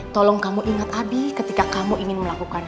tolong kamu ingat adi ketika kamu ingin melakukan